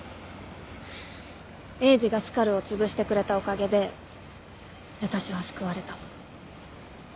エイジがスカルをつぶしてくれたおかげで私は救われた。